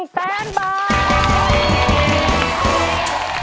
๑แสนบาท